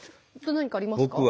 何かありますか？